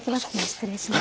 失礼します。